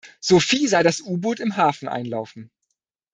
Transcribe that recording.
Sophie sah das U-Boot im Hafen einlaufen.